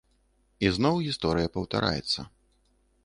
І зноў гісторыя паўтараецца.